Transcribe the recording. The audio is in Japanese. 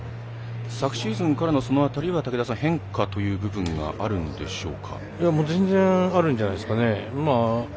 昨シーズンからその辺り変化という部分は全然あるんじゃないですか。